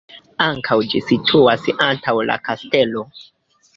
Ankaŭ ĝi situas antaŭ la kastelo.